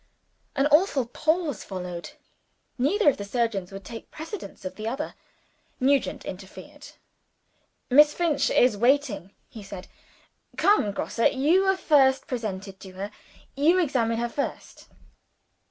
An awful pause followed. Neither of the surgeons would take precedence of the other. Nugent interfered. "Miss Finch is waiting," he said. "Come, Grosse, you were first presented to her. You examine her first."